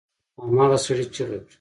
هماغه سړي چيغه کړه!